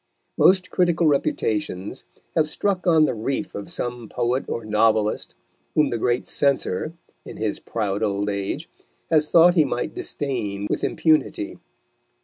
Most critical reputations have struck on the reef of some poet or novelist whom the great censor, in his proud old age, has thought he might disdain with impunity.